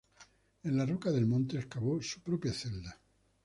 En la roca del monte excavó su propia celda.